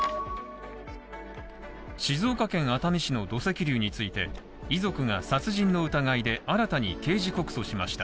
静岡県熱海市の土石流について、遺族が殺人の疑いで、新たに刑事告訴しました。